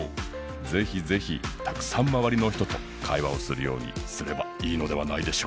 ぜひぜひたくさんまわりの人と会話をするようにすればいいのではないでしょうか。